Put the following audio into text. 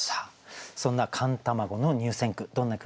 そんな「寒卵」の入選句。